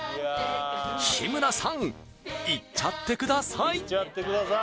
日村さんいっちゃってください！